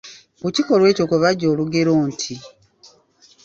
Ku kikolwa ekyo kwe baggya olugero nti.